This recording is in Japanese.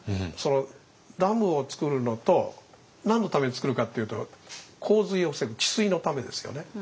ダムを造るのと何のために造るかっていうと洪水を防ぐ治水のためですよね。